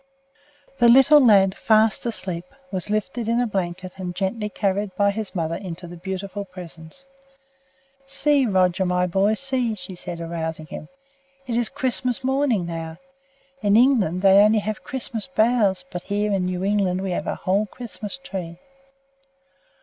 The little lad, fast asleep, was lifted in a blanket and gently carried by his mother into the beautiful presence. "See! Roger, my boy, see!" she said, arousing him. "It is Christmas morning now! In England they only have Christmas boughs, but here in New England we have a whole Christmas tree."